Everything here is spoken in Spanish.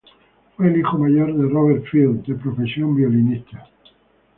Fue el hijo mayor de Robert Field, de profesión violinista.